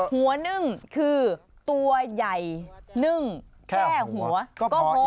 นึ่งคือตัวใหญ่นึ่งแค่หัวก็พอ